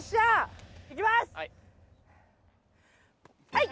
はい。